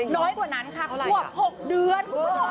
น้อยกว่านั้นค่ะขวบ๖เดือน